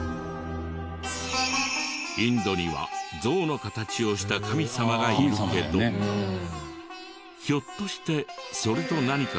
インドにはゾウの形をした神様がいるけどひょっとしてそれと何か関係があるのか？